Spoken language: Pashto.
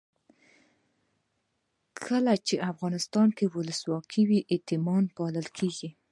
کله چې افغانستان کې ولسواکي وي یتیمان پالل کیږي.